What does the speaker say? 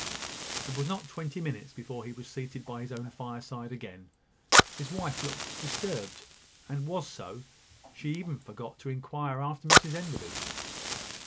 It was not twenty minutes before he was seated by his own fireside again. His wife looked disturbed; and was so; she even forgot to inquire after Mrs Enderby.